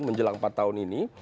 menjelang empat tahun ini